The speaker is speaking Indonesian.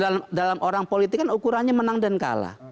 dan dalam orang politik kan ukurannya menang dan kalah